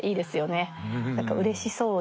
何かうれしそうで。